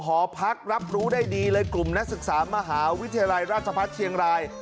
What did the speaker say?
หอพักรับรู้ได้ดีเลยกลุ่มนักศึกษามหาวิทยาลัยราชพัฒน์เชียงราย